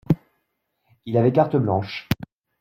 Il avait carte blanche.